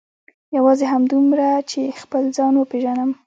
یوازې همدومره چې خپل ځان وپېژنم.